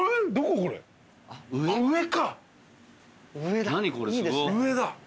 上だ。